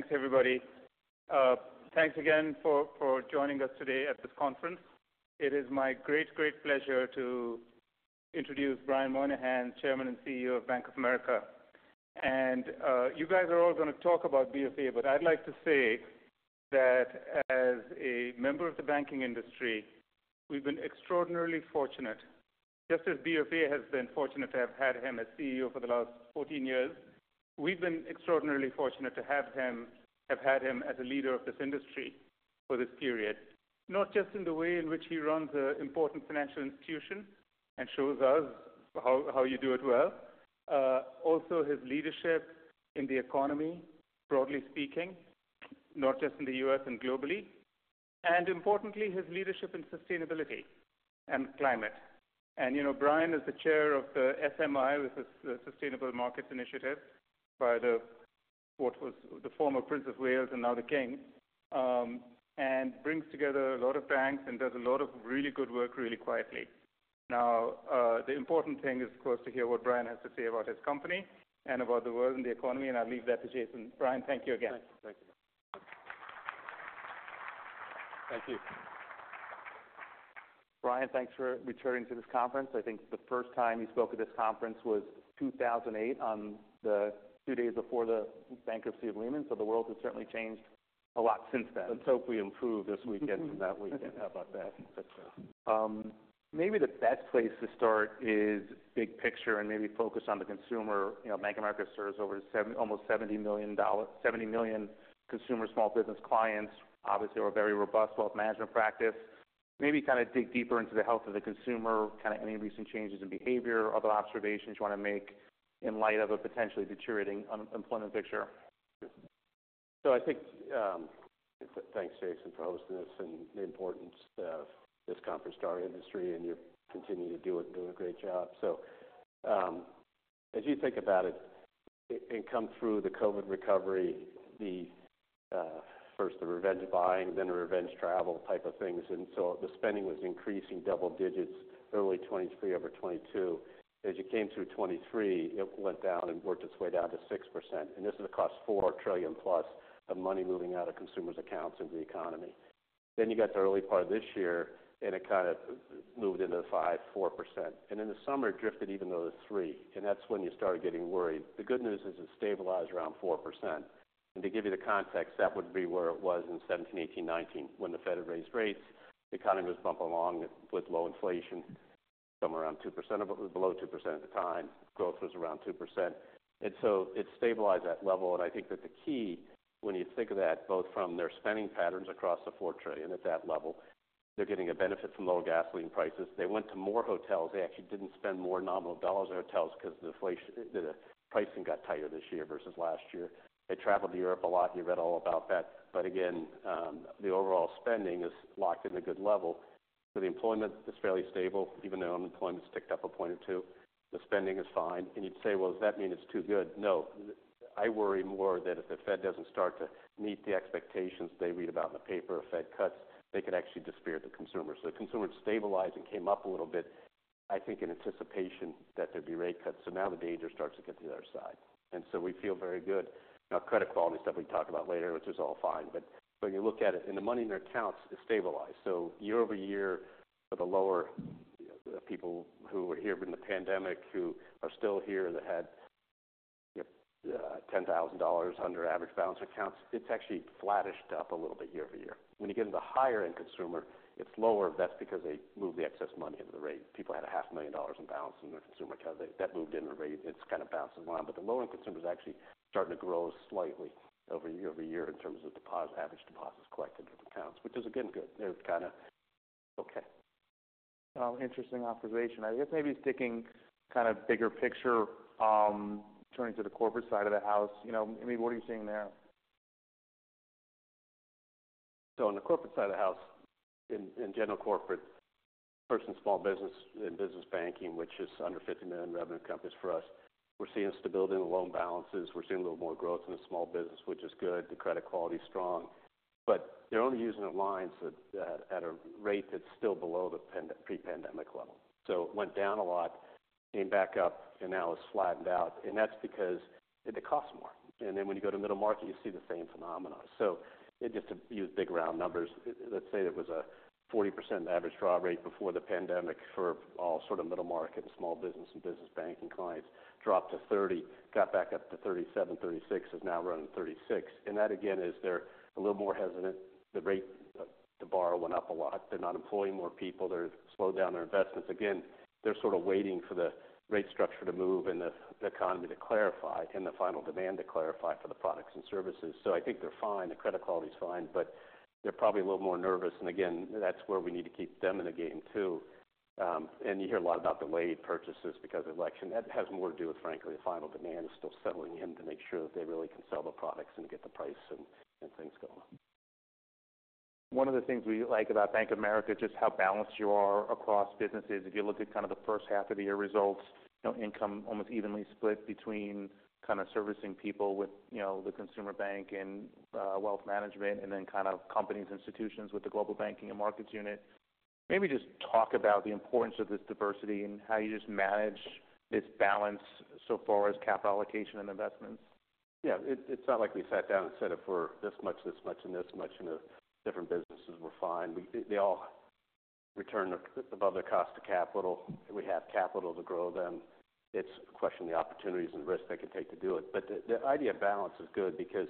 Thanks, everybody. Thanks again for joining us today at this conference. It is my great, great pleasure to introduce Brian Moynihan, Chairman and CEO of Bank of America. And you guys are all going to talk about BofA, but I'd like to say that as a member of the banking industry, we've been extraordinarily fortunate. Just as BofA has been fortunate to have had him as CEO for the last 14 years, we've been extraordinarily fortunate to have had him as a leader of this industry for this period. Not just in the way in which he runs an important financial institution and shows us how you do it well. Also his leadership in the economy, broadly speaking, not just in the U.S. and globally, and importantly, his leadership in sustainability and climate. And you know, Brian is the chair of the SMI, the Sustainable Markets Initiative by the what was the former Prince of Wales and now the King, and brings together a lot of banks and does a lot of really good work, really quietly. Now, the important thing is, of course, to hear what Brian has to say about his company and about the world and the economy, and I'll leave that to Jason. Brian, thank you again. Thank you. Thank you. Thank you. Brian, thanks for returning to this conference. I think the first time you spoke at this conference was 2008, on the two days before the bankruptcy of Lehman Brothers. The world has certainly changed a lot since then. Let's hope we improve this weekend from that weekend. How about that? That's right. Maybe the best place to start is big picture and maybe focus on the consumer. You know, Bank of America serves over almost 70 million consumer small business clients. Obviously, we're a very robust Wealth Management practice. Maybe kind of dig deeper into the health of the consumer, kind of any recent changes in behavior, other observations you want to make in light of a potentially deteriorating unemployment picture. I think, thanks, Jason, for hosting this and the importance of this conference to our industry, and you continue to do it, doing a great job. So, as you think about it and come through the COVID recovery, first the revenge buying, then the revenge travel type of things. The spending was increasing double digits early 2023, over 2022. As you came through 2023, it went down and worked its way down to 6%, and this is across $4 trillion plus of money moving out of consumers' accounts into the economy. Then you got the early part of this year, and it kind of moved into the 5%/4%, and in the summer, it drifted even lower to 3%, and that's when you started getting worried. The good news is it stabilized around 4%. To give you the context, that would be where it was in 2017, 2018, 2019. When the Fed had raised rates, the economy was bumping along with low inflation, somewhere around 2%, it was below 2% at the time. Growth was around 2%. And so it stabilized at that level. And I think that the key when you think of that, both from their spending patterns across the $4 trillion at that level, they're getting a benefit from lower gasoline prices. They went to more hotels. They actually didn't spend more nominal dollars on hotels because the inflation, the pricing got tighter this year versus last year. They traveled to Europe a lot. You read all about that. But again, the overall spending is locked in a good level. So the employment is fairly stable, even though unemployment's ticked up a point or two. The spending is fine, and you'd say, "Well, does that mean it's too good?" No. I worry more that if the Fed doesn't start to meet the expectations they read about in the paper, Fed cuts, they could actually disappear the consumer. So the consumer stabilized and came up a little bit, I think, in anticipation that there'd be rate cuts. So now the danger starts to get to the other side, and so we feel very good. Now, credit quality stuff we talk about later, which is all fine, but when you look at it, and the money in their accounts is stabilized. So year-over-year, for the lower people who were here during the pandemic, who are still here, that had $10,000 under average balance accounts, it's actually flattish up a little bit year-over-year. When you get into the higher end consumer, it's lower. That's because they moved the excess money into the rate. People had $500,000 in balance in their consumer account. That moved in a rate. It's kind of bouncing along, but the lower end consumer is actually starting to grow slightly over year-over-year in terms of deposit, average deposits collected in accounts, which is again, good. They're kind of okay. Interesting observation. I guess maybe sticking to the bigger picture, turning to the corporate side of the house, you know. I mean, what are you seeing there? On the corporate side of the house, in general corporate, personal, Small Business and Business Banking, which is under $50 million revenue companies for us, we're seeing stability in the loan balances. We're seeing a little more growth in the small business, which is good. The credit quality is strong, but they're only using the lines at a rate that's still below the pre-pandemic level. It went down a lot, came back up, and now it's flattened out. That's because it costs more. Then when you go to middle market, you see the same phenomenon. Just to use big, round numbers, let's say it was a 40% average draw rate before the pandemic for all sort of middle market and Small Business and Business Banking clients. Dropped to 30%, got back up to 37%, 36%, is now running 36%. That, again, is they're a little more hesitant. The rate to borrow went up a lot. They're not employing more people. They've slowed down their investments. Again, they're sort of waiting for the rate structure to move and the economy to clarify and the final demand to clarify for the products and services. I think they're fine. The credit quality is fine, but they're probably a little more nervous. And again, that's where we need to keep them in the game too. And you hear a lot about delayed purchases because of election. That has more to do with, frankly, the final demand is still settling in to make sure that they really can sell the products and get the price and things going. One of the things we like about Bank of America, just how balanced you are across businesses. If you look at kind of the first half of the year results, you know, income almost evenly split between kind of servicing people with, you know, the Consumer Bank and, Wealth Management, and then kind of companies, institutions with the Global Banking and Markets unit. Maybe just talk about the importance of this diversity and how you just manage this balance so far as capital allocation and investments? Yeah, it's not like we sat down and said it for this much, this much, and this much, and the different businesses were fine. They all return above their cost of capital. We have capital to grow them. It's a question of the opportunities and risks they can take to do it. But the idea of balance is good because,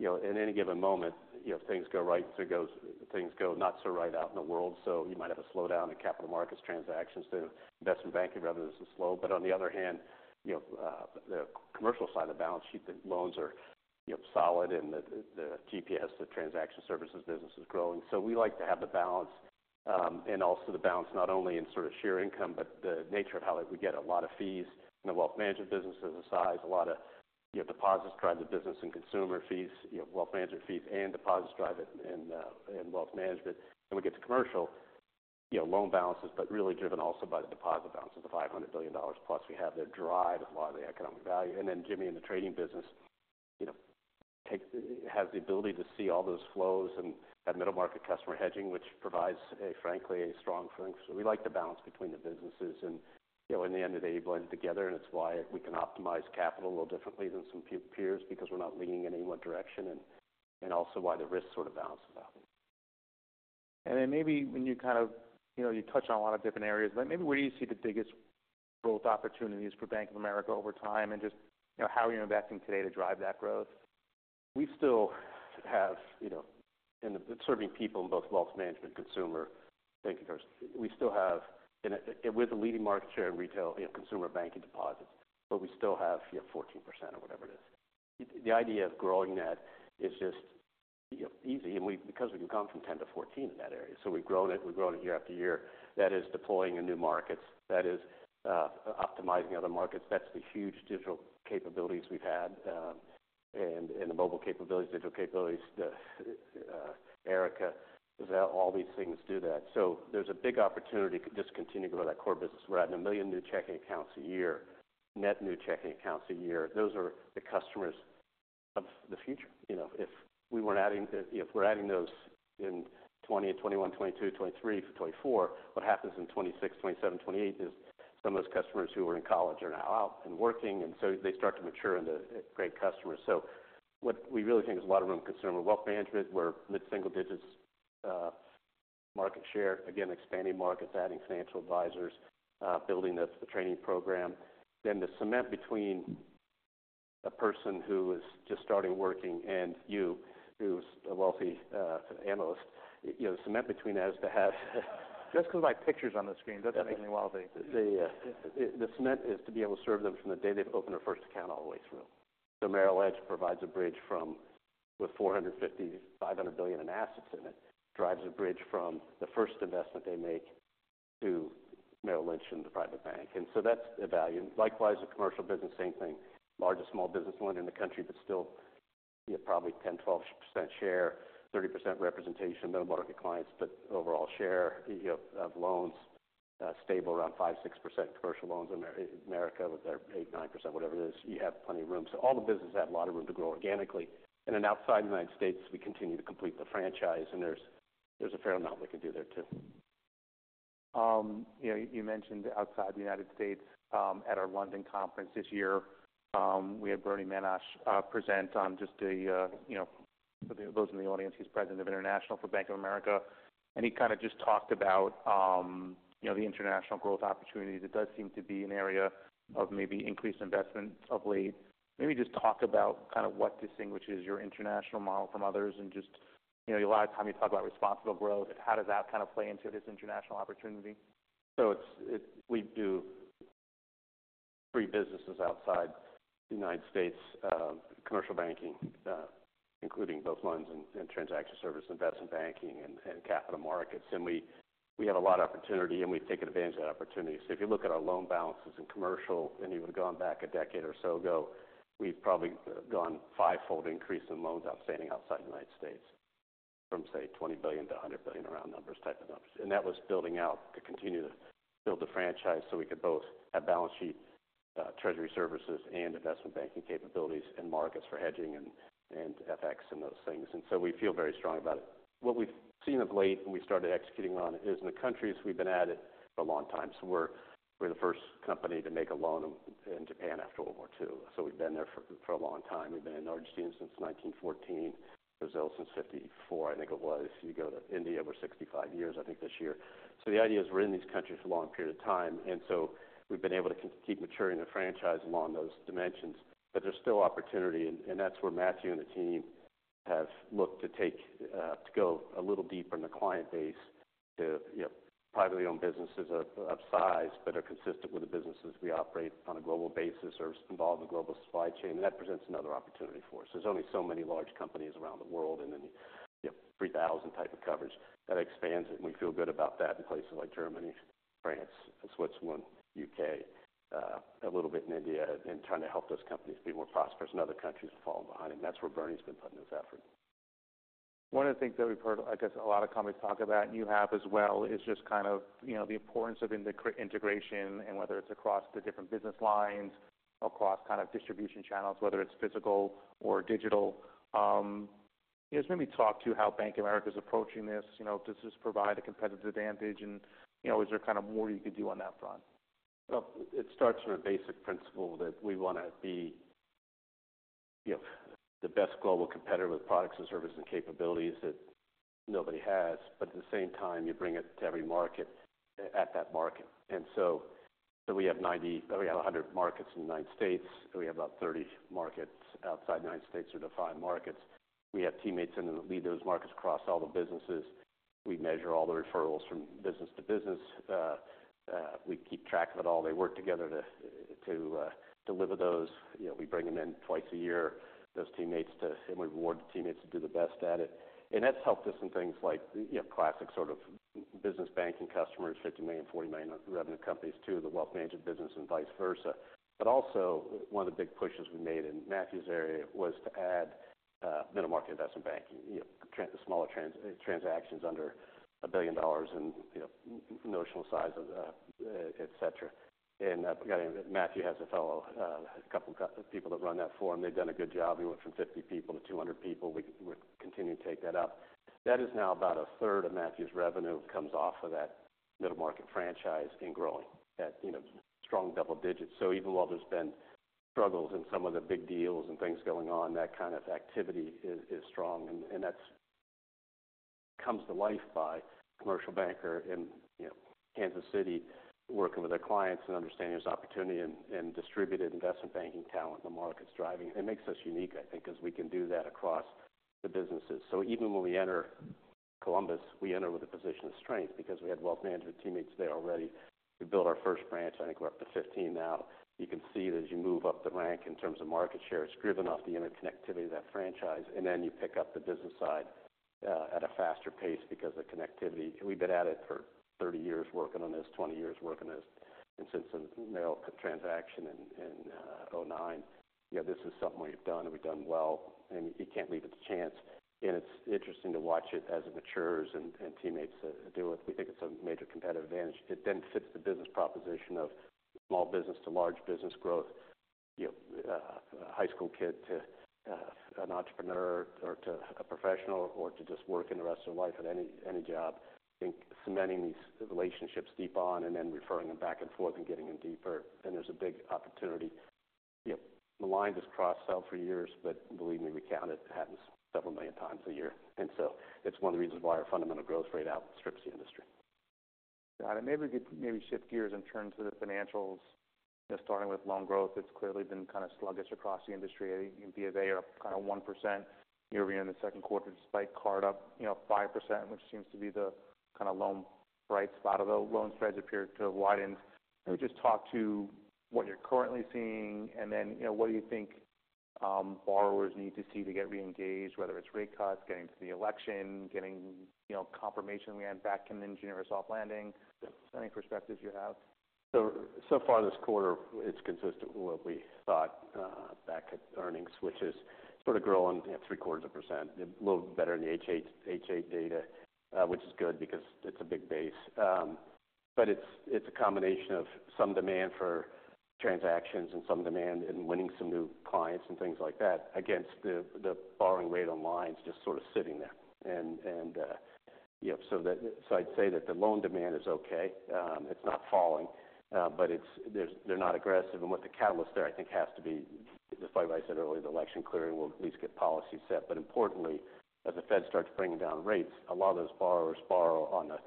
you know, at any given moment, you know, things go right, things go not so right out in the world. So you might have a slowdown in capital markets, transactions, investment banking revenues are slow. But on the other hand, you know, the commercial side of the balance sheet, the loans are, you know, solid, and the GPS, the transaction services business is growing. So we like to have the balance, and also the balance not only in sort of sheer income, but the nature of how we get a lot of fees in the Wealth Management businesses, the size, a lot of, you know, deposits drive the business and consumer fees, you know, Wealth Management fees and deposits drive it in, in Wealth Management. Then we get to commercial, you know, loan balances, but really driven also by the deposit balance of $500 billion, plus they drive a lot of the economic value. And then Jimmy, in the trading business, you know, has the ability to see all those flows and that middle market customer hedging, which provides, frankly, a strong feeling. We like to balance between the businesses and, you know, in the end, they blend together, and it's why we can optimize capital a little differently than some peers, because we're not leaning in any one direction and, and also why the risks sort of balance it out. And then maybe when you kind of, you know, you touch on a lot of different areas, but maybe where do you see the biggest growth opportunities for Bank of America over time? And just, you know, how are you investing today to drive that growth? We still have, you know, in serving people in both Wealth Management, Consumer Banking customers. We still have, and we're the leading market share in retail, in consumer banking deposits, but we still have, you know, 14% or whatever it is. The idea of growing that is just, you know, easy, and because we can come from 10% to 14% in that area. So we've grown it. We've grown it year after year. That is deploying in new markets, that is, optimizing other markets. That's the huge digital capabilities we've had, and the mobile capabilities, digital capabilities, the Erica, all these things do that. So there's a big opportunity to just continue to grow that core business. We're adding a million new checking accounts a year, net new checking accounts a year. Those are the customers of the future, you know, if we're adding those in 2021, 2022, 2023 to 2024, what happens in 2026, 2027, 2028, is some of those customers who were in college are now out and working, and so they start to mature into great customers. So what we really think is a lot of room in consumer Wealth Management, we're mid-single digits market share, again, expanding markets, adding financial advisors, building the training program. Then the cement between a person who is just starting working and you, who's a wealthy analyst, you know, the cement between us to have- Just because my picture's on the screen, doesn't make me wealthy. The cement is to be able to serve them from the day they've opened their first account all the way through. So Merrill Edge provides a bridge from, with $450-$500 billion in assets in it, drives a bridge from the first investment they make to Merrill Lynch and the Private Bank, and so that's the value. Likewise, the commercial business, same thing. Largest small business lender in the country, but still, you have probably 10-12% share, 30% representation, middle market clients. But overall share, you know, of loans, stable around 5-6% commercial loans in America, with their 8-9%, whatever it is, you have plenty of room. So all the businesses have a lot of room to grow organically. And then outside the United States, we continue to complete the franchise, and there's a fair amount we can do there, too. You know, you mentioned outside the United States, at our London conference this year, we had Bernie Mensah present on just a, you know, for those in the audience, he's president of International for Bank of America, and he kind of just talked about, you know, the international growth opportunities. It does seem to be an area of maybe increased investment of late. Maybe just talk about kind of what distinguishes your international model from others and just, you know, a lot of time you talk about responsible growth. How does that kind of play into this international opportunity? We do three businesses outside the United States, commercial banking, including both loans and transaction services, investment banking and capital markets. We have a lot of opportunity, and we've taken advantage of that opportunity. If you look at our loan balances in commercial, and you would have gone back a decade or so ago, we've probably gone fivefold increase in loans outstanding outside the United States from, say, $20 billion-$100 billion, around numbers, type of numbers. That was building out to continue to build the franchise so we could both have balance sheet, treasury services and investment banking capabilities and markets for hedging and FX and those things. We feel very strong about it. What we've seen of late, and we started executing on, is in the countries we've been at it for a long time. So we're the first company to make a loan in Japan after World War II. So we've been there for a long time. We've been in Argentina since nineteen fourteen, Brazil since fifty-four, I think it was. You go to India over sixty-five years, I think this year. So the idea is we're in these countries for a long period of time, and so we've been able to keep maturing the franchise along those dimensions. But there's still opportunity, and that's where Matthew and the team have looked to take to go a little deeper in the client base, to you know, privately owned businesses of size that are consistent with the businesses we operate on a global basis or involve the global supply chain. And that presents another opportunity for us. There's only so many large companies around the world, and then you have three thousand type of coverage that expands, and we feel good about that in places like Germany, France, Switzerland, UK, a little bit in India, and trying to help those companies be more prosperous and other countries to follow behind, and that's where Bernie's been putting his effort. One of the things that we've heard, I guess, a lot of companies talk about, and you have as well, is just kind of, you know, the importance of integration and whether it's across the different business lines, across kind of distribution channels, whether it's physical or digital. Yes, maybe talk to how Bank of America is approaching this. You know, does this provide a competitive advantage? And, you know, is there kind of more you could do on that front? It starts from a basic principle that we want to be, you know, the best global competitor with products and services and capabilities that nobody has. But at the same time, you bring it to every market at that market. And so we have 100 markets in the United States, and we have about 30 markets outside the United States, or defined markets. We have teammates to lead those markets across all the businesses. We measure all the referrals from business to business. We keep track of it all. They work together to deliver those. You know, we bring them in twice a year, those teammates, and we reward the teammates that do the best at it. And that's helped us in things like, you know, classic sort of business banking customers, $50 million, $40 million revenue companies, to the Wealth Management business and vice versa. But also, one of the big pushes we made in Matthew's area was to add middle-market investment banking. You know, the smaller transactions under $1 billion, and, you know, notional size of that, et cetera. And I forgot, Matthew has a fellow, a couple of people that run that for him. They've done a good job. We went from 50 people to 200 people. We continue to take that up. That is now about a third of Matthew's revenue comes off of that middle-market franchise and growing at, you know, strong double digits. So even while there's been struggles in some of the big deals and things going on, that kind of activity is strong, and that's comes to life by a commercial banker in, you know, Kansas City, working with their clients and understanding there's opportunity and distributed investment banking talent. The market is driving. It makes us unique, I think, because we can do that across the businesses. Even when we enter Columbus, we enter with a position of strength because we had Wealth Management teammates there already. We built our first branch. I think we're up to 15 now. You can see that as you move up the rank in terms of market share, it's driven off the interconnectivity of that franchise, and then you pick up the business side at a faster pace because of the connectivity. We've been at it for thirty years, working on this, twenty years working on this, and since the Merrill transaction in 2009, you know, this is something we've done and we've done well, and you can't leave it to chance. It's interesting to watch it as it matures and teammates do it. We think it's a major competitive advantage. It then fits the business proposition of small business to large business growth. You have a high school kid to an entrepreneur, or to a professional, or to just working the rest of their life at any job. I think cementing these relationships deep on and then referring them back and forth and getting them deeper, and there's a big opportunity. You know, the line just cross-sell for years, but believe me, we count it. It happens several million times a year, and so it's one of the reasons why our fundamental growth rate outstrips the industry. Got it. Maybe we could shift gears and turn to the financials, just starting with loan growth. It's clearly been kind of sluggish across the industry. BofA are up 1% year-over-year in the second quarter, despite card up 5%, which seems to be the kind of loan bright spot, although loan spreads appear to have widened. Can you just talk to what you're currently seeing, and then, you know, what do you think, borrowers need to see to get reengaged, whether it's rate cuts, getting to the election, getting, you know, confirmation we had back in the consensus soft landing? Any perspectives you have. So far this quarter, it's consistent with what we thought back at earnings, which is sort of growing at 0.75%, a little better in the household data, which is good because it's a big base. But it's a combination of some demand for transactions and some demand in winning some new clients and things like that, against the borrowing rate on lines just sort of sitting there. So I'd say that the loan demand is okay. It's not falling, but they're not aggressive. And what the catalyst there, I think, has to be, just like I said earlier, the election clearly will at least get policy set. But importantly, as the Fed starts bringing down rates, a lot of those borrowers borrow on a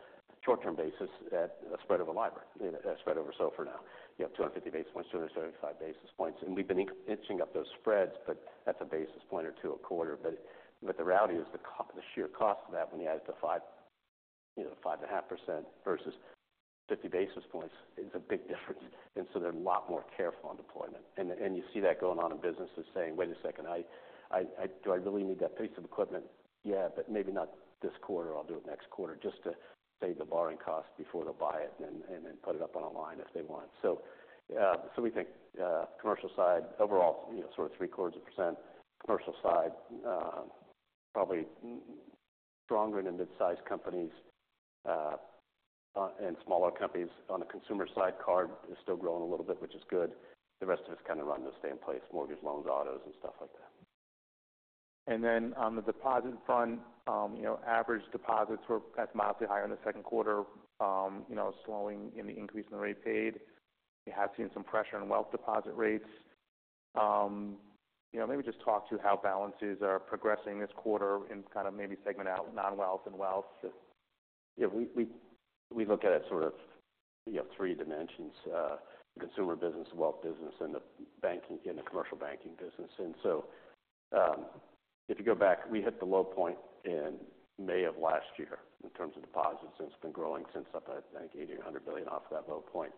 short-term basis at a spread of a LIBOR, a spread over SOFR now. You have 250 basis points, 235 basis points, and we've been inching up those spreads, but that's a basis point or two a quarter. But the reality is the sheer cost of that when you add it to five, you know, 5.5% versus 50 basis points is a big difference. And so they're a lot more careful on deployment. And you see that going on in businesses saying, "Wait a second, I do I really need that piece of equipment? Yeah, but maybe not this quarter. I'll do it next quarter," just to save the borrowing cost before they'll buy it and then put it up on a line if they want. So, we think, commercial side, overall, you know, sort of 0.75%. Commercial side, probably stronger in the mid-sized companies, and smaller companies. On the consumer side, card is still growing a little bit, which is good. The rest of it's kind of run to stay in place, mortgage loans, autos, and stuff like that. And then on the deposit front, you know, average deposits were slightly higher in the second quarter, you know, slowing in the increase in the rate paid. We have seen some pressure on wealth deposit rates. You know, maybe just talk to how balances are progressing this quarter and kind of maybe segment out non-wealth and wealth. Yeah, we look at it sort of. You have three dimensions, consumer business, wealth business, and the banking, and the commercial banking business. And so, if you go back, we hit the low point in May of last year in terms of deposits, and it's been growing since up, I think, $80-$100 billion off that low point.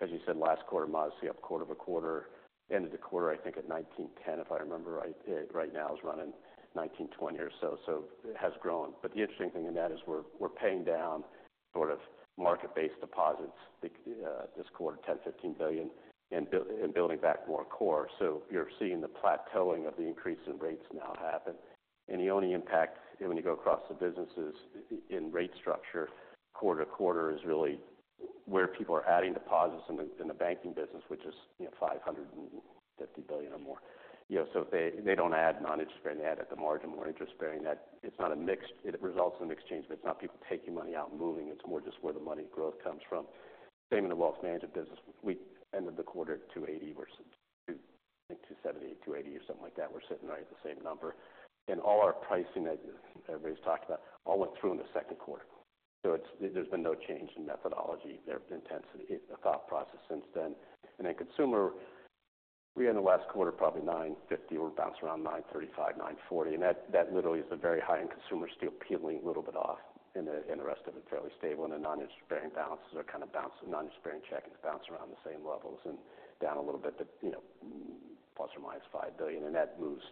As you said, last quarter, modestly up quarter-over-quarter. Ended the quarter, I think, at $1,910 billion, if I remember right. Right now, it's running $1,920 billion or so. So it has grown. But the interesting thing in that is we're paying down sort of market-based deposits, this quarter, $10-$15 billion, and building back more core. So you're seeing the plateauing of the increase in rates now happen. The only impact when you go across the businesses in rate structure quarter to quarter is really where people are adding deposits in the banking business. You know, $550 billion or more. You know, so they don't add non-interest bearing. They add at the margin more interest bearing. That it's not a mix. It results in a mixed change, but it's not people taking money out and moving. It's more just where the money growth comes from. Same in the Wealth Management business. We ended the quarter at $280 billion versus, I think, $278 billion, $280 billion, or something like that. We're sitting right at the same number. All our pricing that everybody's talked about all went through in the second quarter. So it's. There's been no change in methodology, there intensity, the thought process since then. And then consumer, we had in the last quarter, probably $950 billion, or bounced around $935 billion-$940 billion. And that literally is the very high-end consumer still peeling a little bit off, and the rest of it fairly stable. And the non-interest bearing balances are kind of bouncing, non-interest bearing checking is bouncing around the same levels and down a little bit, but, you know, plus or minus $5 billion, and that moves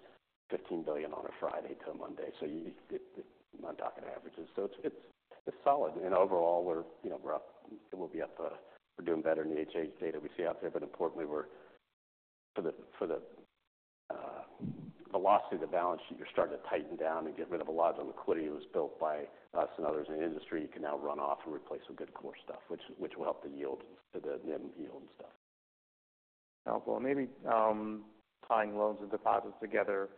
$15 billion on a Friday to a Monday. So it's not moving averages. So it's solid. And overall we're, you know, we're up, and we'll be up. We're doing better in the household data we see out there. But importantly, we're... for the velocity of the balance sheet, you're starting to tighten down and get rid of a lot of the liquidity that was built by us and others in the industry. You can now run off and replace some good core stuff, which will help the yield, the NIM yield and stuff. Helpful. Maybe, tying loans and deposits together.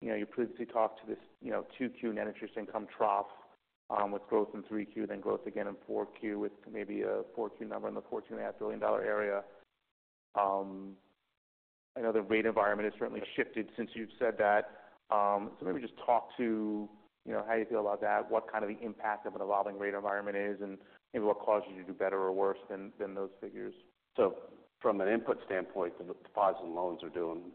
You know, you previously talked to this, you know, 2Q net interest income trough, with growth in 3Q, then growth again in 4Q, with maybe a 4Q number in the $14.5 billion area. I know the rate environment has certainly shifted since you've said that. So maybe just talk to, you know, how you feel about that, what kind of the impact of an evolving rate environment is, and maybe what causes you to do better or worse than those figures? So from an input standpoint, the deposits and loans are doing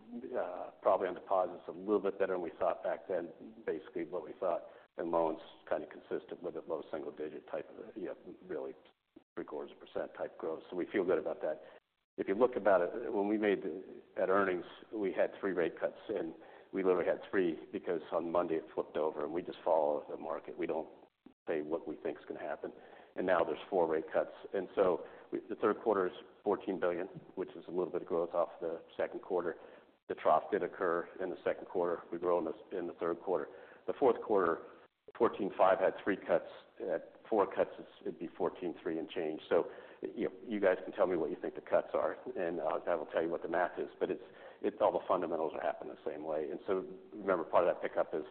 probably on deposits a little bit better than we thought back then. Basically, what we thought in loans, kind of consistent with a low single digit type of, you know, really three quarters of a percent type growth. So we feel good about that. If you look about it, when we made the earnings, we had three rate cuts in. We literally had three, because on Monday it flipped over, and we just follow the market. We don't say what we think is going to happen. And now there's four rate cuts. And so the third quarter is $14 billion, which is a little bit of growth off the second quarter. The trough did occur in the second quarter. We grow in the third quarter. The fourth quarter, $14.5 billion had three cuts. At four cuts, it'd be fourteen three and change. So you guys can tell me what you think the cuts are, and that'll tell you what the math is. But it's all the fundamentals that happen the same way. And so remember, part of that pickup is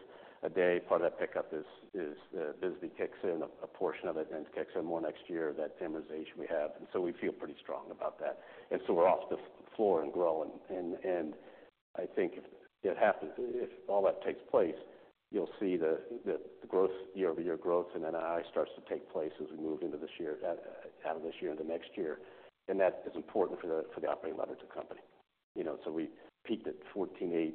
a day count, part of that pickup is FASB kicks in, a portion of it, then kicks in more next year, that amortization we have. And so we feel pretty strong about that. And so we're off the floor and growing. And I think if it happens, if all that takes place, you'll see the growth, year-over-year growth in NII starts to take place as we move into this year, out of this year into next year. And that is important for the operating leverage of the company. You know, so we peaked at 14.8.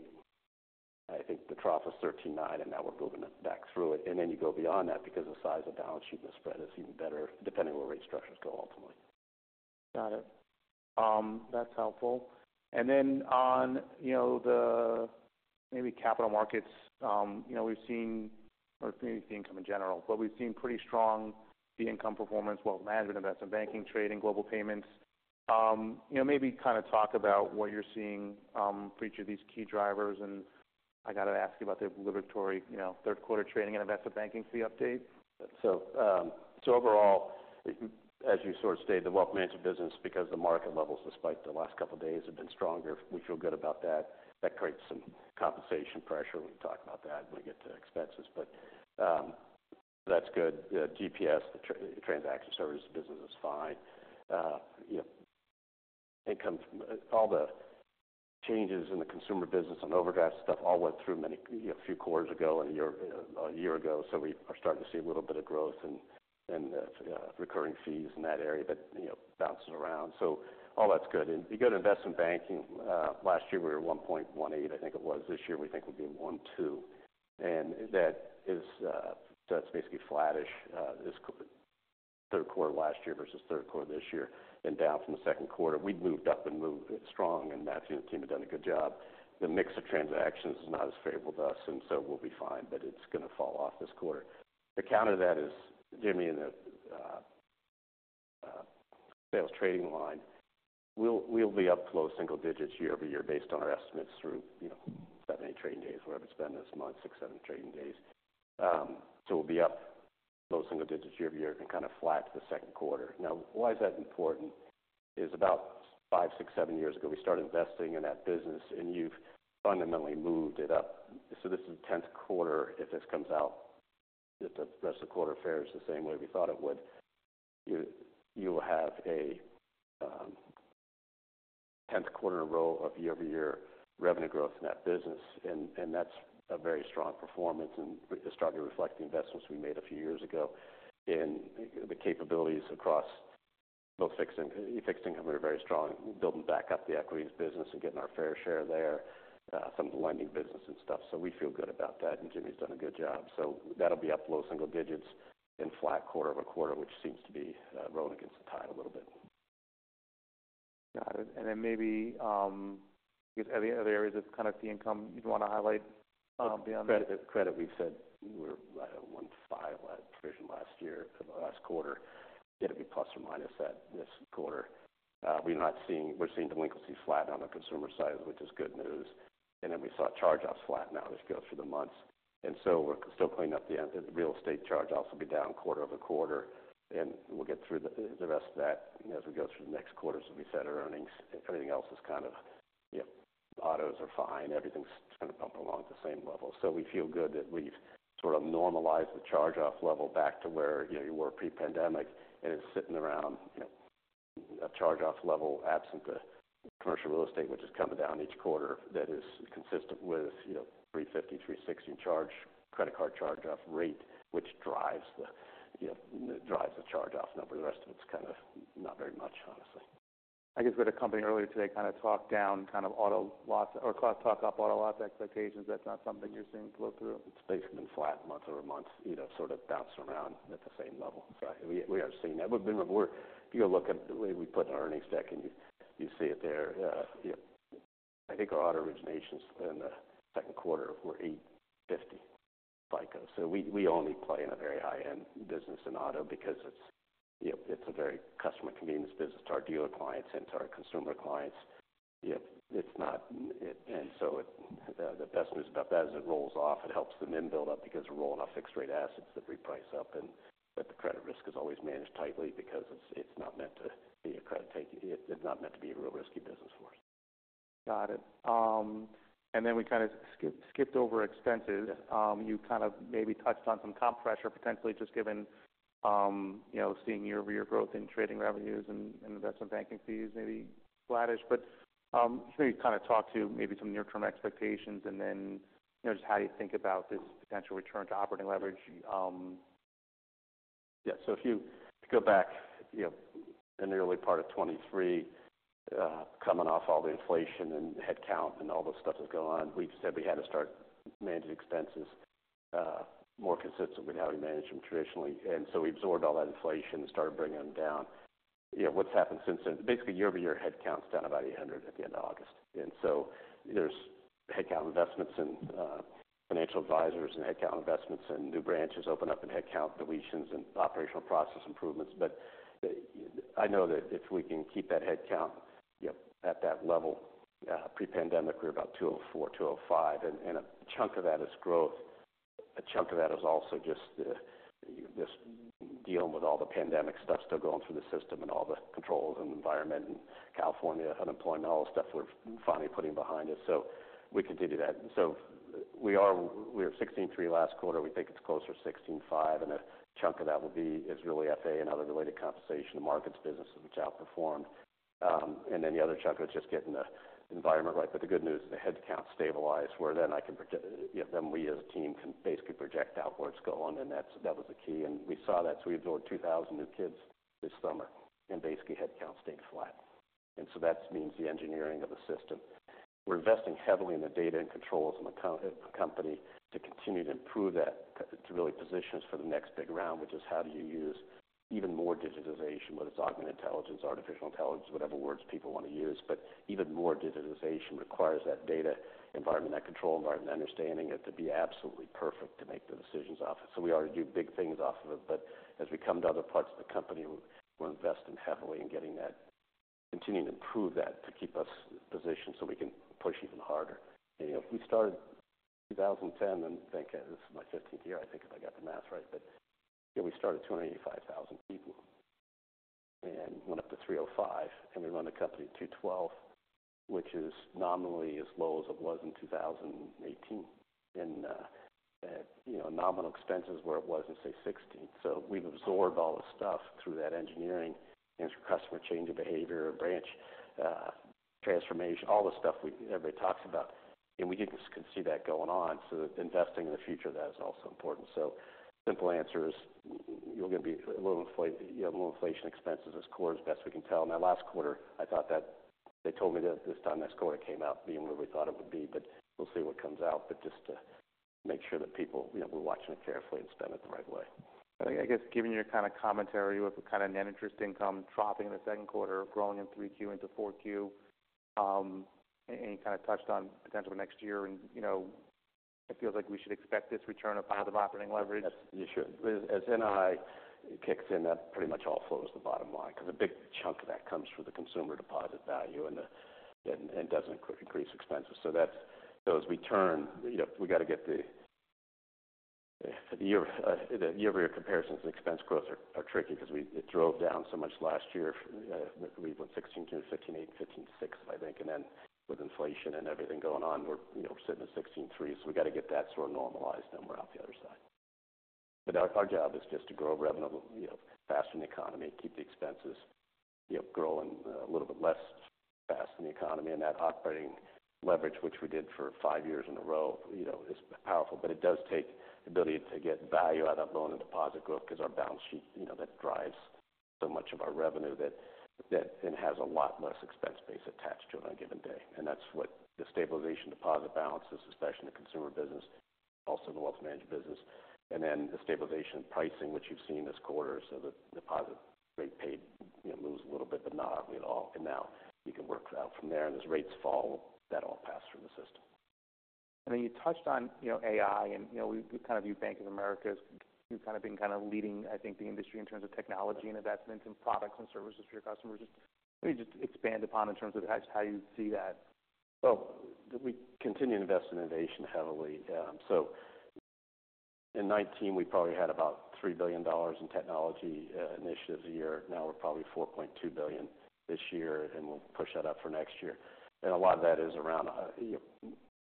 I think the trough was 13.9, and now we're moving it back through it, and then you go beyond that, because the size of the balance sheet and the spread is even better, depending on where rate structures go ultimately. Got it. That's helpful. And then on, you know, the maybe capital markets, you know, we've seen core fee income in general, but we've seen pretty strong fee income performance, Wealth Management, investment banking, trading, global payments. You know, maybe kind of talk about what you're seeing, for each of these key drivers. And I got to ask you about the IB story, you know, third quarter trading and investment banking fee update. So overall, as you sort of stated, the Wealth Management business, because the market levels, despite the last couple of days, have been stronger, we feel good about that. That creates some compensation pressure. We can talk about that when we get to expenses, but that's good. GPS, the transaction services business is fine. You know, income from all the changes in the consumer business and overdraft stuff all went through many, you know, a few quarters ago and a year ago. So we are starting to see a little bit of growth and recurring fees in that area, but you know, bouncing around. So all that's good. And you go to investment banking, last year, we were at 1.18, I think it was. This year, we think we'll be at one two, and that is, that's basically flattish, this third quarter last year versus third quarter this year, and down from the second quarter. We've moved up and moved it strong, and Matthew and the team have done a good job. The mix of transactions is not as favorable to us, and so we'll be fine, but it's going to fall off this quarter. The counter to that is Jimmy in the sales and trading line. We'll be up low single digits year over year based on our estimates through, you know, seven, eight trading days, whatever it's been this month, six, seven trading days. So we'll be up low single digits year over year and kind of flat to the second quarter. Now, why is that important? It's about five, six, seven years ago, we started investing in that business, and you've fundamentally moved it up. So this is the tenth quarter, if this comes out, if the rest of the quarter fares the same way we thought it would. You will have a tenth quarter in a row of year-over-year revenue growth in that business, and that's a very strong performance and is starting to reflect the investments we made a few years ago in the capabilities across both fixed income. Fixed income are very strong, building back up the equities business and getting our fair share there, some of the lending business and stuff. So we feel good about that, and Jimmy's done a good job. So that'll be up low single digits in flat quarter over quarter, which seems to be, rowing against the tide a little bit. Got it. And then maybe any other areas of kind of fee income you'd want to highlight, beyond? Credit. Credit, we've said we're right at 1.5% deviation last year, last quarter. It'll be plus or minus that this quarter. We're seeing delinquencies flatten on the consumer side, which is good news. And then we saw charge-offs flatten out as it goes through the months. And so we're still cleaning up the end. The real estate charge-offs will be down quarter over quarter, and we'll get through the rest of that as we go through the next quarters, as we said, our earnings. Everything else is kind of, yep, autos are fine. Everything's kind of bumping along at the same level. So we feel good that we've sort of normalized the charge-off level back to where, you know, you were pre-pandemic, and it's sitting around, you know, a charge-off level, absent the commercial real estate, which is coming down each quarter. That is consistent with, you know, 3.50%-3.60% charge-off rate, which drives the, you know, drives the charge-off number. The rest of it's kind of not very much, honestly. I guess we had a company earlier today kind of talk down kind of auto loans or talk up auto loans expectations. That's not something you're seeing flow through? It's basically been flat month over month, you know, sort of bouncing around at the same level. So we are seeing that. We're -- if you go look at the way we put an earnings deck and you see it there, yep. I think our auto originations in the second quarter were 850 FICO. So we only play in a very high-end business in auto because it's, you know, it's a very customer convenience business to our dealer clients and to our consumer clients. Yet, it's not -- and so it, the best news about that, as it rolls off, it helps them then build up because we're rolling off fixed rate assets that reprice up, and but the credit risk is always managed tightly because it's, it's not meant to be a credit taking. It's not meant to be a real risky business for us. Got it. And then we kind of skipped over expenses. You kind of maybe touched on some comp pressure, potentially, just given, you know, seeing year-over-year growth in trading revenues and investment banking fees, maybe flattish. But, can you kind of talk to maybe some near-term expectations and then, you know, just how you think about this potential return to operating leverage? Yeah. So if you go back, you know, in the early part of 2023, coming off all the inflation and headcount and all those stuff that was going on, we said we had to start managing expenses more consistent with how we manage them traditionally. And so we absorbed all that inflation and started bringing them down. You know, what's happened since then? Basically, year-over-year headcount's down about 800 at the end of August. And so there's headcount investments and financial advisors and headcount investments and new branches open up, and headcount deletions and operational process improvements. But the, I know that if we can keep that headcount, yep, at that level, pre-pandemic, we're about 204, 205, and a chunk of that is growth. A chunk of that is also just just dealing with all the pandemic stuff still going through the system and all the controls and environment and California unemployment, all the stuff we're finally putting behind us. So we continue that. We have 16.3 last quarter. We think it's closer to 16.5, and a chunk of that will be, is really FA and other related compensation to markets businesses, which outperformed. And then the other chunk was just getting the environment right. But the good news is the headcount stabilized, where then I can project then we as a team can basically project out where it's going, and that's, that was the key, and we saw that. So we absorbed 2,000 new kids this summer, and basically, headcount stayed flat. And so that means the engineering of the system. We're investing heavily in the data and controls in the company to continue to improve that, to really position us for the next big round, which is how do you use even more digitization, whether it's augmented intelligence, artificial intelligence, whatever words people want to use. But even more digitization requires that data environment, that control environment, understanding it to be absolutely perfect to make the decisions off it. So we already do big things off of it, but as we come to other parts of the company, we're investing heavily in getting that, continuing to improve that, to keep us positioned so we can push even harder. You know, if we started 2010, then think this is my fifteenth year, I think, if I got the math right. But, you know, we started at 285,000 people and went up to 305, and we run the company at 212, which is nominally as low as it was in 2018. And, you know, nominal expenses where it was in, say, 2016. So we've absorbed all the stuff through that engineering and through customer change of behavior or branch transformation, all the stuff we everybody talks about, and we did kind of see that going on. So investing in the future of that is also important. So simple answer is, you have a little inflation expenses this quarter, as best we can tell. Now, last quarter, I thought that, they told me that this time next quarter came out being where we thought it would be, but we'll see what comes out, but just to make sure that people, you know, we're watching it carefully and spend it the right way. I guess, given your kind of commentary with the kind of net interest income dropping in the second quarter, growing in 3Q into 4Q, and you kind of touched on potentially next year and, you know, it feels like we should expect this return of positive operating leverage. Yes, you should. As NII kicks in, that pretty much all flows to the bottom line because a big chunk of that comes from the consumer deposit value and and doesn't increase expenses. So that's so as we turn, you know, we got to get the year-over-year comparisons and expense growth are tricky because it drove down so much last year. We went $16 billion to $15.8 billion and $15.6 billion, I think, and then with inflation and everything going on, we're, you know, sitting at $16.3 billion. So we got to get that sort of normalized, then we're out the other side. But our job is just to grow revenue, you know, faster than the economy, keep the expenses, you know, growing a little bit less fast than the economy. And that operating leverage, which we did for five years in a row, you know, is powerful, but it does take the ability to get value out of loan and deposit growth because our balance sheet, you know, that drives so much of our revenue that and has a lot less expense base attached to it on a given day. And that's what the stabilization deposit balances, especially in the consumer business, also in the Wealth Management business, and then the stabilization pricing, which you've seen this quarter. So the deposit rate paid, you know, moves a little bit, but not at all. And now you can work it out from there, and as rates fall, that all pass through the system. ... And then you touched on, you know, AI, and, you know, we kind of view Bank of America as you've kind of been kind of leading, I think, the industry in terms of technology and investments in products and services for your customers. Just maybe just expand upon in terms of how, how you see that. We continue to invest in innovation heavily. So in 2019, we probably had about $3 billion in technology initiatives a year. Now we're probably $4.2 billion this year, and we'll push that up for next year. And a lot of that is around, you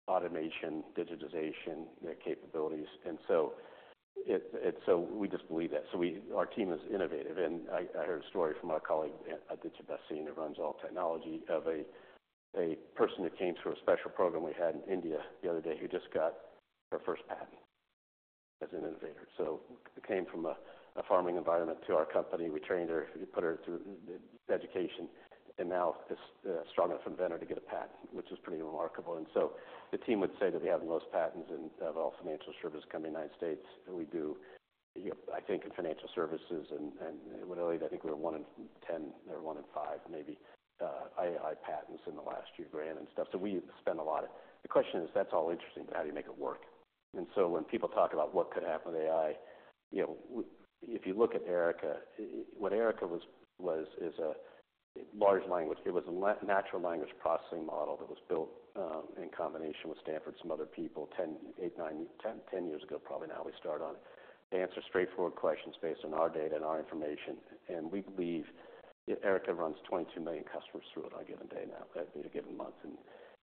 know, automation, digitization, the capabilities. And so it, it's so we just believe that. Our team is innovative, and I heard a story from our colleague, Aditya Bhasin, who runs all technology, of a person that came through a special program we had in India the other day, who just got her first patent as an innovator. So they came from a farming environment to our company. We trained her. We put her through the education, and now is a strong enough inventor to get a patent, which is pretty remarkable. And so the team would say that we have the most patents, of all financial services companies in the United States, and we do. Yep, I think in financial services and I think we were one in ten or one in five, maybe, AI patents in the last year, granted and stuff. So we spend a lot. The question is, that's all interesting, but how do you make it work? And so when people talk about what could happen with AI, you know, if you look at Erica, what Erica was is a natural language processing model that was built in combination with Stanford, some other people, ten years ago, probably now we start on it. To answer straightforward questions based on our data and our information, and we believe Erica runs 22 million customers through it on a given day now, at a given month.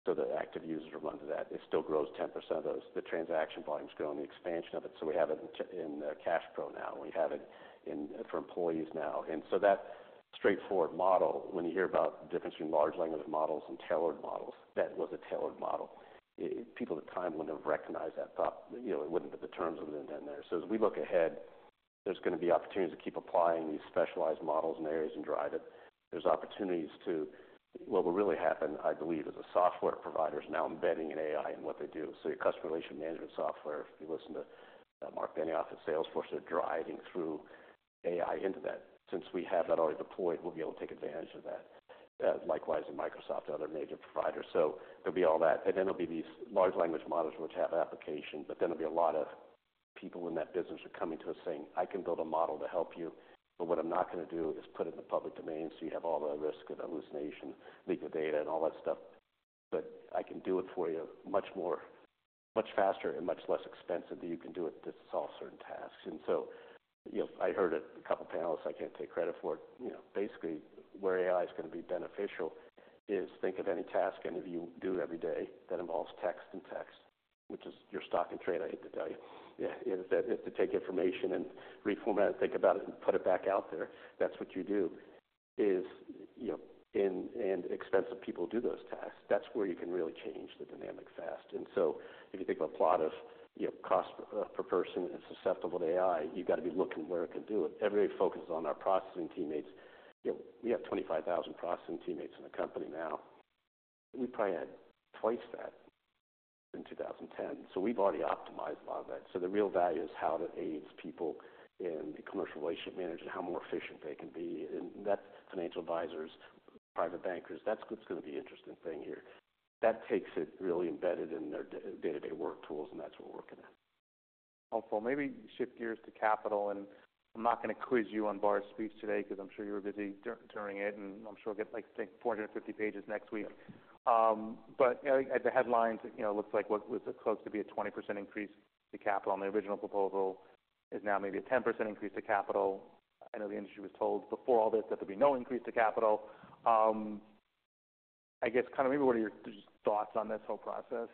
The active users are up to that. It still grows 10% of those. The transaction volume is growing, the expansion of it. So we have it in CashPro now. We have it in for employees now. That straightforward model, when you hear about the difference between large language models and tailored models, that was a tailored model. People at the time wouldn't have recognized that, thought, you know, it wouldn't put the terms in there. So as we look ahead, there's going to be opportunities to keep applying these specialized models in areas and drive it. There's opportunities to... What will really happen, I believe, is the software providers now embedding an AI in what they do. So your customer relationship management software, if you listen to Marc Benioff at Salesforce, they're driving through AI into that. Since we have that already deployed, we'll be able to take advantage of that. Likewise in Microsoft other major providers. So there'll be all that, and then there'll be these large language models which have application, but then there'll be a lot of people in that business are coming to us saying, "I can build a model to help you, but what I'm not going to do is put it in the public domain so you have all the risk of hallucination, leak of data, and all that stuff. But I can do it for you much more, much faster and much less expensive than you can do it to solve certain tasks." And so, you know, I heard it, a couple of panelists, I can't take credit for it. You know, basically, where AI is going to be beneficial is think of any task any of you do every day that involves text and text, which is your stock and trade, I hate to tell you. Yeah, is that it's to take information and reformat it, think about it, and put it back out there. That's what you do, is, you know, and expensive people do those tasks. That's where you can really change the dynamic fast. And so if you think of a plot of, you know, cost per person and susceptible to AI, you've got to be looking where it can do it. Everybody focuses on our processing teammates. You know, we have 25,000 processing teammates in the company now. We probably had twice that in 2010, so we've already optimized a lot of that. So the real value is how that aids people in commercial relationship management, how more efficient they can be. And that's financial advisors, private bankers. That's what's going to be interesting thing here. That takes it really embedded in their day-to-day work tools, and that's what we're working on. Hopefully, maybe shift gears to capital, and I'm not going to quiz you on Barr's speech today because I'm sure you were busy during it, and I'm sure we'll get like, I think, 450 pages next week. But at the headlines, you know, it looks like what was close to be a 20% increase to capital on the original proposal is now maybe a 10% increase to capital. I know the industry was told before all this that there'd be no increase to capital. I guess kind of maybe what are your just thoughts on this whole process?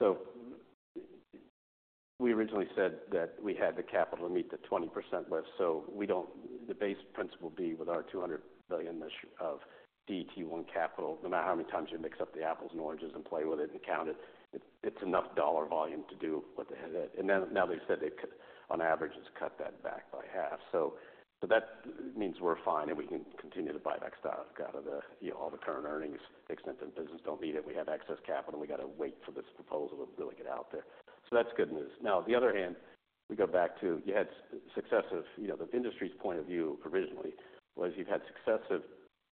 So we originally said that we had the capital to meet the 20% list, so we don't—the Basel III with our $200 billion of CET1 capital, no matter how many times you mix up the apples and oranges and play with it and count it, it's enough dollar volume to do what they had. And now they've said they could, on average, just cut that back by half. So that means we're fine and we can continue to buy back stock out of the, you know, all the current earnings. The extent that business don't need it, we have excess capital, and we got to wait for this proposal to really get out there. So that's good news. Now, on the other hand, we go back to you had successive... You know, the industry's point of view originally was you've had successive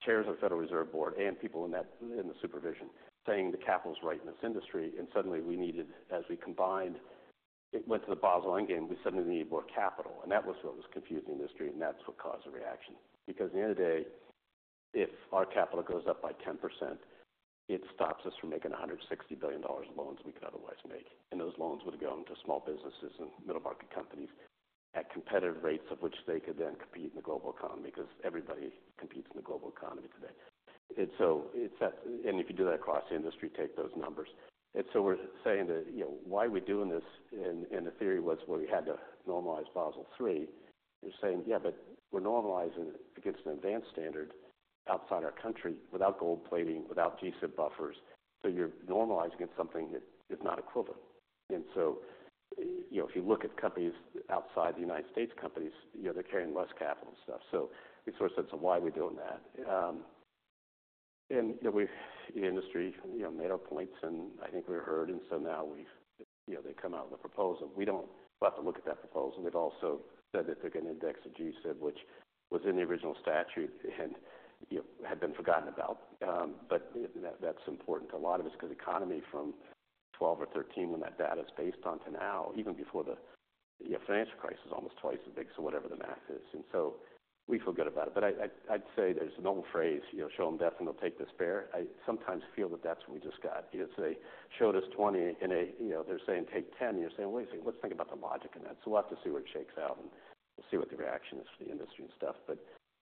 chairs of the Federal Reserve Board and people in that, in the supervision, saying the capital is right in this industry, and suddenly we needed, as we combined, it went to the Basel Endgame, we suddenly need more capital. And that was what was confusing the industry, and that's what caused the reaction. Because at the end of the day, if our capital goes up by 10%, it stops us from making $160 billion loans we could otherwise make. And those loans would have gone to small businesses and middle-market companies at competitive rates, of which they could then compete in the global economy, because everybody competes in the global economy today. And so it's that, and if you do that across the industry, take those numbers. We're saying that, you know, why are we doing this? The theory was, well, we had to normalize Basel III. We're saying, yeah, but we're normalizing it against an advanced standard outside our country without gold plating, without G-SIB buffers. You're normalizing it against something that is not equivalent. If you look at companies outside the United States, companies, you know, they're carrying less capital and stuff. We sort of sense of why we're doing that. The industry, you know, made our points, and I think we were heard, and so now we've, you know, they've come out with a proposal. We don't know; we'll have to look at that proposal. They've also said that they're going to index the G-SIB, which was in the original statute and, you know, had been forgotten about. But that, that's important to a lot of us, because the economy from 2012 or 2013, when that data is based on to now, even before the, you know, financial crisis, is almost twice as big, so whatever the math is. And so we feel good about it. But I, I'd say there's an old phrase: "You know, show them death, and they'll take the fever." I sometimes feel that that's what we just got. They showed us twenty, and they, you know, they're saying, "Take ten." You're saying, "Wait a second, let's think about the logic in that." So we'll have to see where it shakes out, and we'll see what the reaction is to the industry and stuff. But,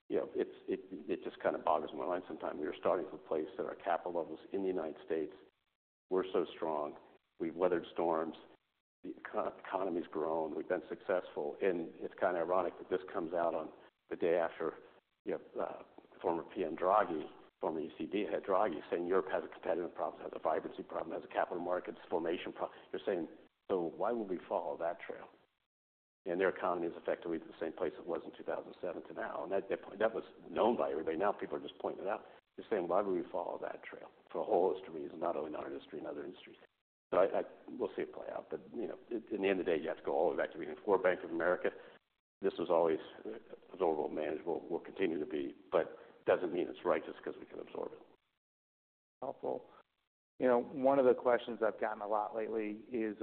you know, it's, it just kind of boggles my mind sometimes. We were starting from a place that our capital levels in the United States were so strong. We've weathered storms, the economy has grown, we've been successful, and it's kind of ironic that this comes out on the day after you have former PM Draghi, former ECB head, Draghi, saying Europe has a competitive problem, has a vibrancy problem, has a capital markets formation problem. You're saying, "So why would we follow that trail?" Their economy is effectively the same place it was in two thousand and seven to now, and that was known by everybody. Now people are just pointing it out. They're saying: Why would we follow that trail for a whole host of reasons, not only in our industry, in other industries, but I, we'll see it play out. But, you know, at the end of the day, you have to go all the way back to even before Bank of America. This was always absorbable, manageable, will continue to be, but doesn't mean it's right just because we can absorb it. Helpful. You know, one of the questions I've gotten a lot lately is,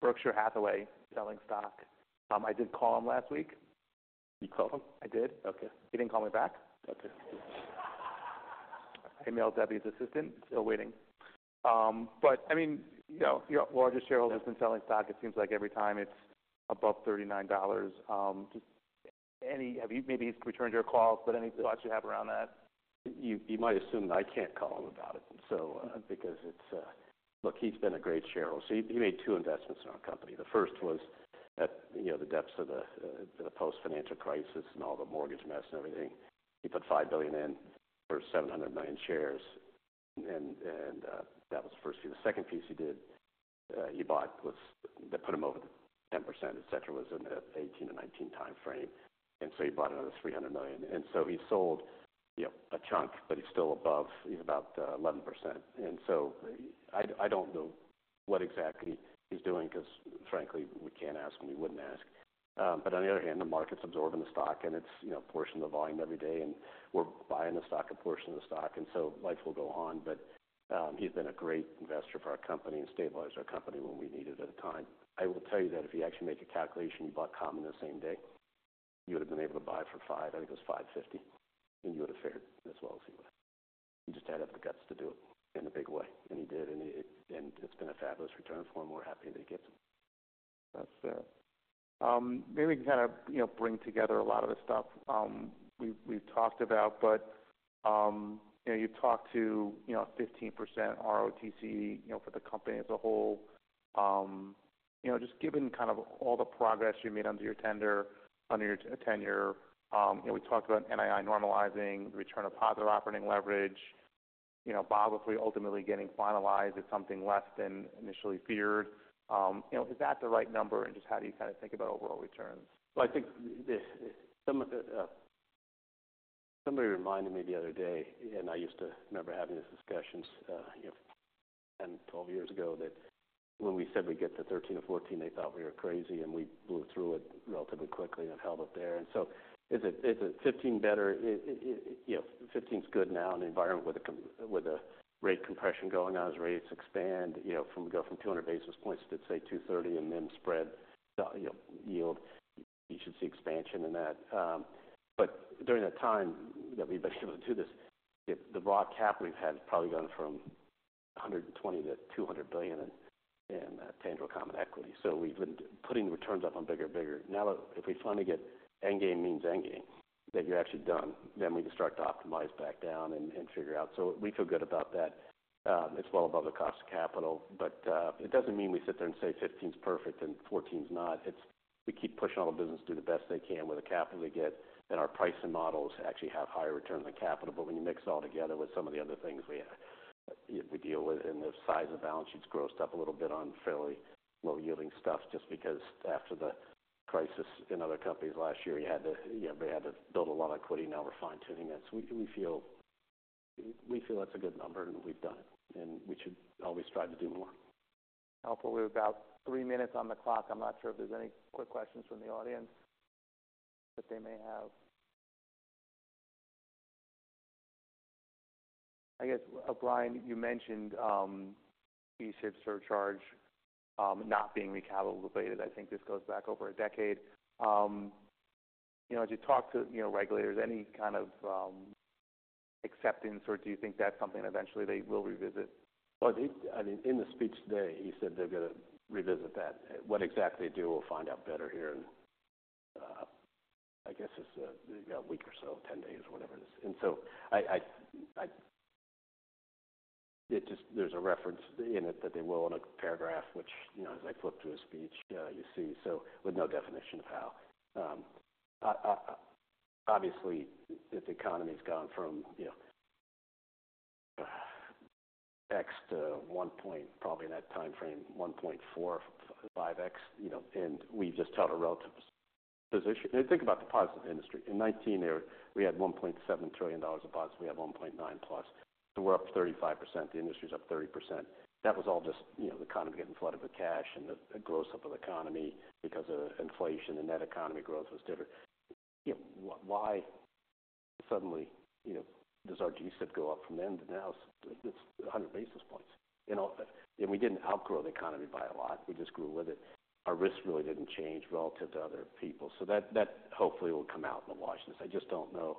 Berkshire Hathaway selling stock. I did call him last week. You called him? I did. Okay. He didn't call me back. Okay. I emailed Debbie, his assistant, still waiting. But I mean, you know, your largest shareholder- Yes... has been selling stock it seems like every time it's above $39. Just any, have you, maybe he's returned your calls, but any thoughts you have around that? You might assume that I can't call him about it, so, because it's... Look, he's been a great shareholder. So he made two investments in our company. The first was at, you know, the depths of the post-financial crisis and all the mortgage mess and everything. He put $5 billion in for 700 million shares, and that was the first piece. The second piece he did, he bought was, that put him over the 10%, et cetera, was in the 2018 to 2019 timeframe. And so he bought another 300 million. And so he sold, you know, a chunk, but he's still above, he's about 11%. And so I don't know what exactly he's doing because frankly, we can't ask, and we wouldn't ask. But on the other hand, the market's absorbing the stock, and it's, you know, a portion of the volume every day, and we're buying the stock, a portion of the stock, and so life will go on. But he's been a great investor for our company and stabilized our company when we needed it at the time. I will tell you that if you actually make a calculation, he bought common the same day, he would have been able to buy it for $5. I think it was $5.50, and he would have fared as well as he would. He just had to have the guts to do it in a big way, and he did, and it, and it's been a fabulous return for him. We're happy that he gets it. That's fair. Maybe we can kind of, you know, bring together a lot of the stuff we've talked about. But, you know, you've talked about, you know, 15% ROTCE, you know, for the company as a whole. You know, just given kind of all the progress you made under your tenure, you know, we talked about NII normalizing, return of positive operating leverage. You know, Brian, if Basel's ultimately getting finalized, it's something less than initially feared. You know, is that the right number, and just how do you kind of think about overall returns? I think this, some of the, Somebody reminded me the other day, and I used to remember having these discussions, you know, 10, 12 years ago, that when we said we'd get to 13 or 14, they thought we were crazy, and we blew through it relatively quickly and held it there. Is it, is it 15 better? It, it, you know, 15 is good now in an environment with a rate compression going on, as rates expand, you know, from 200 basis points to, let's say, 230 and then spread, you know, yield, you should see expansion in that. During that time, that we've been able to do this, the capital we've had has probably gone from $120 billion to $200 billion in tangible common equity. So we've been putting the returns up on bigger and bigger. Now, if we finally get Endgame, means Endgame, that you're actually done, then we can start to optimize back down and figure out. So we feel good about that. It's well above the cost of capital, but it doesn't mean we sit there and say 15 is perfect and 14 is not. It's, we keep pushing all the business to do the best they can with the capital they get, and our pricing models actually have higher returns on capital. But when you mix it all together with some of the other things we deal with, and the size of balance sheets grossed up a little bit on fairly low-yielding stuff, just because after the crisis in other companies last year, you had to build a lot of equity. Now we're fine-tuning it. So we feel that's a good number, and we've done it, and we should always strive to do more. Helpful. We have about three minutes on the clock. I'm not sure if there's any quick questions from the audience that they may have. I guess, Brian, you mentioned G-SIB surcharge not being recalibrated. I think this goes back over a decade. You know, as you talk to, you know, regulators, any kind of acceptance, or do you think that's something eventually they will revisit? I mean, in the speech today, he said they're going to revisit that. What exactly they do, we'll find out better here in, I guess it's, a week or so, 10 days, or whatever it is. And so, it just- there's a reference in it that they will in a paragraph, which, you know, as I flip through a speech, you see, so with no definition of how. Obviously, the economy's gone from, you know, x to 1 point, probably in that timeframe, 1.45x, you know, and we just held the relative position. And think about the deposit industry. In 2019 there, we had $1.7 trillion of bonds, we have $1.9 trillion plus. So we're up 35%, the industry is up 30%. That was all just, you know, the economy getting flooded with cash and the gross up of the economy because of inflation, and net economy growth was different. You know, why suddenly, you know, does our G-SIB go up from then to now? It's a hundred basis points. You know, and we didn't outgrow the economy by a lot. We just grew with it. Our risk really didn't change relative to other people. So that, that hopefully will come out in the wash. I just don't know,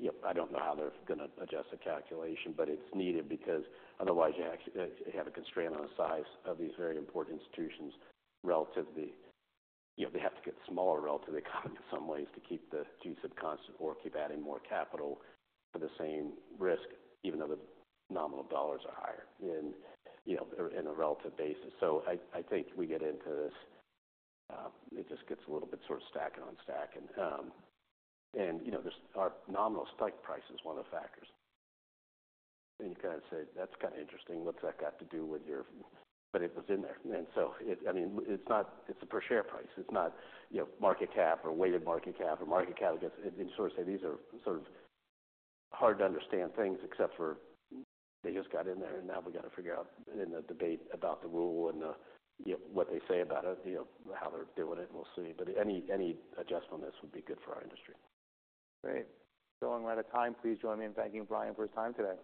yep, I don't know how they're going to adjust the calculation, but it's needed because otherwise, you actually have a constraint on the size of these very important institutions relatively. You know, they have to get smaller relative to the economy in some ways to keep the G-SIB constant or keep adding more capital for the same risk, even though the nominal dollars are higher in, you know, in a relative basis. So I, I think we get into this, it just gets a little bit sort of stack on stack. And, and, you know, there's our nominal stock price is one of the factors. And you kind of say, that's kind of interesting. What's that got to do with your... But it was in there. And so it, I mean, it's not, it's a per share price. It's not, you know, market cap or weighted market cap or market cap against... And so these are sort of hard to understand things except for they just got in there, and now we got to figure out in the debate about the rule and, you know, what they say about it, you know, how they're doing it. We'll see. But any adjustment on this would be good for our industry. Great. So we're out of time. Please join me in thanking Brian for his time today.